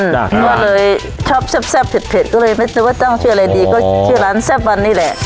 เพราะเลยชอบแซ่บแซ่บเผ็ดเผ็ดก็เลยไม่ต้องชื่ออะไรดีก็ชื่อร้านแซ่บวันนี่แหละ